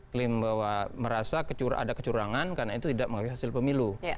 klaim bahwa merasa ada kecurangan karena itu tidak mengakui hasil pemilu